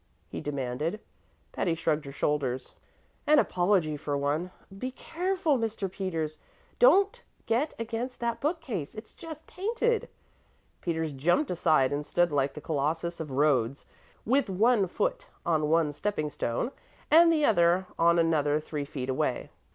he demanded. Patty shrugged her shoulders. "An apology for one be careful, Mr. Peters! Don't get against that bookcase. It's just painted." Peters jumped aside, and stood like the Colossus of Rhodes, with one foot on one stepping stone, and the other on another three feet away.